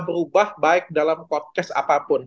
berubah baik dalam kodcast apapun